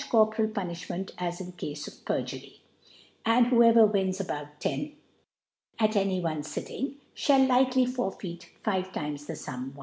45) corporal Punilhment as in Cafe of Perjury; And whoever wins above lo /. at any one Sitting, fliall likcwife forfeit five Times the Sum won.